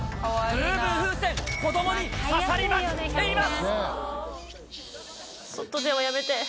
ブーブー風船、子どもに刺さりまくっています。